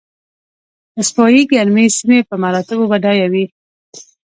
استوایي ګرمې سیمې په مراتبو بډایه وې.